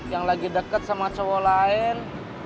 yang lagi deket sama cowo lain